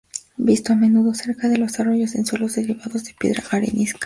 Visto a menudo cerca de los arroyos en suelos derivados de piedra arenisca.